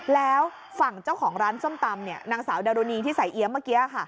แล้วฝั่งเจ้าของร้านส้มตำนางสาวดารุณีที่ใส่เอี๊ยมเมื่อกี้